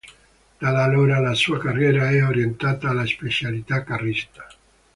Da allora la sua carriera è orientata alla specialità carrista.